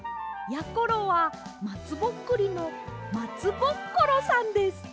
ころはまつぼっくりのまつぼっコロさんです！